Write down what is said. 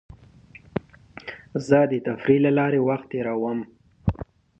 زه د تفریح له لارې وخت تېرووم.